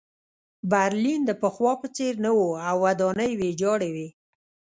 برلین د پخوا په څېر نه و او ودانۍ ویجاړې وې